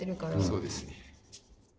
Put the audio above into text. そうですね。